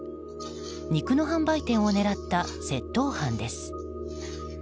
肉の販売店を狙った窃盗犯です。